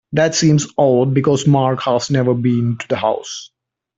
That seems odd because Mark has never been to the house.